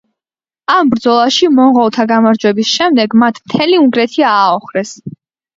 ამ ბრძოლაში მონღოლთა გამარჯვების შემდეგ, მათ მთელი უნგრეთი ააოხრეს.